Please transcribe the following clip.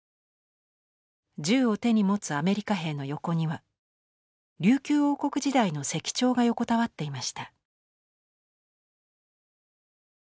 銃を手に持つアメリカ兵の横には琉球王国時代の石彫が横たわっていました。